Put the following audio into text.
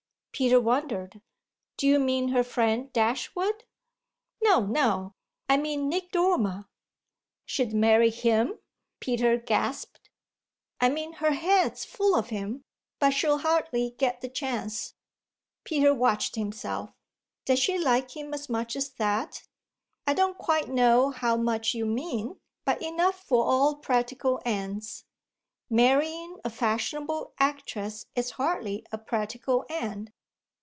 Peter wondered. "Do you mean her friend Dashwood?" "No, no, I mean Nick Dormer." "She'd marry him?" Peter gasped. "I mean her head's full of him. But she'll hardly get the chance." Peter watched himself. "Does she like him as much as that?" "I don't quite know how much you mean, but enough for all practical ends." "Marrying a fashionable actress is hardly a practical end."